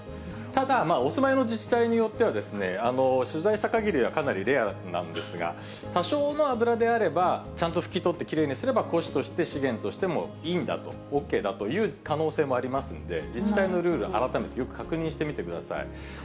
ただ、お住まいの自治体によっては、取材したかぎりではかなりレアなんですが、多少の油であれば、ちゃんと拭き取ってきれいにすれば、古紙として、資源としてもいいんだと、ＯＫだという可能性もありますんで、自治体のルール、改めてよく確認してみてください。